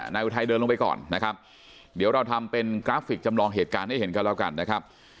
อุทัยเดินลงไปก่อนนะครับเดี๋ยวเราทำเป็นกราฟิกจำลองเหตุการณ์ให้เห็นกันแล้วกันนะครับ